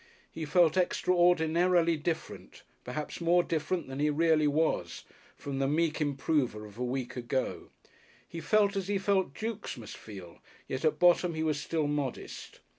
He felt extraordinarily different, perhaps more different than he really was, from the meek Improver of a week ago. He felt as he felt Dukes must feel, yet at bottom he was still modest.